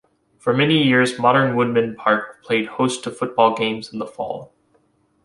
For many years, Modern Woodmen Park played host to football games in the fall.